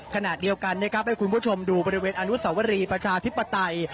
ขณะเดียวกันนะครับให้คุณผู้ชมดูบริเวณอนุสวรีประชาธิปไตย